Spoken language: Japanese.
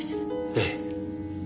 ええ。